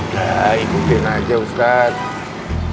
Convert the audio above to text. nah ikutin aja ustadz